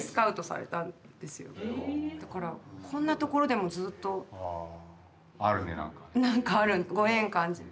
だからこんなところでもずっと何かご縁感じて。